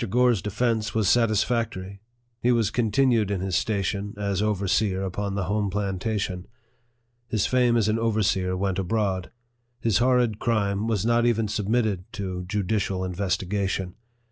Gore's defence was satisfactory. He was contin ued in his station as overseer upon the home plantation. His fame as an overseer went abroad. His horrid crime was not even submitted to judicial investigation.